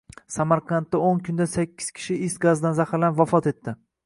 Samarqanddao´nkunda sakkiz kishi is gazidan zaharlanib, vafot etdi